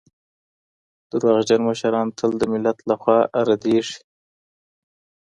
درواغجن مشران تل د ملت له خوا ردېږي.